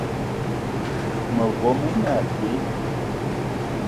Mevo me ne abe.